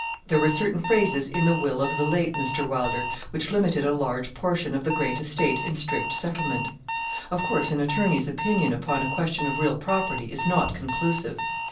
There were certain phrases in the will of the late Mr. Wylder, which limited a large portion of the great estate in strict settlement. Of course an attorney's opinion upon a question of real property is not conclusive.